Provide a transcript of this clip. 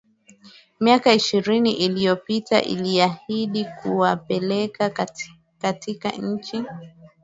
miaka ishirini iliyopita iliahidi kuwapeleka katika nchi